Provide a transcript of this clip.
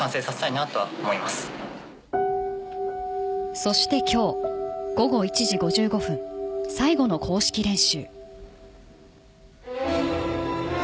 そして今日午後１時５５分最後の公式練習。